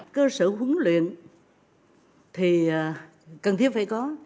cơ sở huấn luyện thì cần thiết phải có